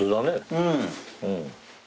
うん。